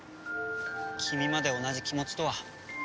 君まで同じ気持ちとは。